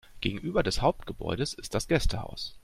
Gegenüber des Hauptgebäudes ist das Gästehaus.